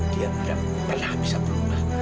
dia tidak pernah bisa berubah